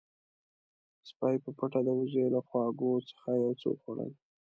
سپی په پټه د وزې له خواږو څخه یو څه وخوړل.